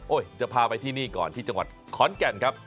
จะพาไปที่นี่ก่อนที่จังหวัดขอนแก่นครับ